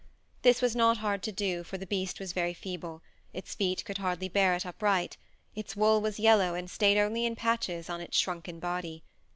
This was not hard to do, for the beast was very feeble; its feet could hardly bear it upright, its wool was yellow and stayed only in patches on its shrunken body.